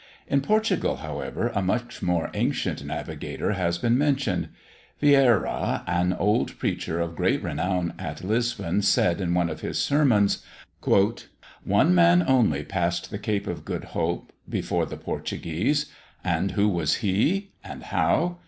In Portugal, however, a much more ancient navigator has been mentioned. Vieyra, an old preacher of great renown at Lisbon, said in one of his sermons: "One man only passed the Cape of Good Hope before the Portuguese. And who was he? and how?